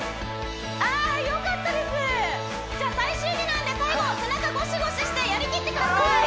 あよかったですじゃ最終日なんで最後背中ゴシゴシしてやりきってください